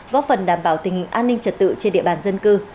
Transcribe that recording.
góp phần đảm bảo tình hình an ninh trật tự trên địa bàn dân cư